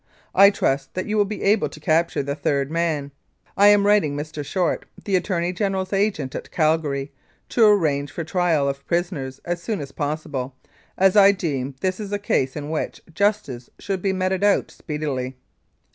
I trust that you will be able to capture the third man. I am writing Mr. Short, the Attorney General's agent at Cal gary, to arrange for trial of prisoners as soon as possible, as I deem this is a case in which justice should be meted out speedily.